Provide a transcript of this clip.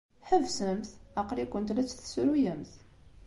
Ḥebsemt! Aql-ikent la tt-tessruyemt.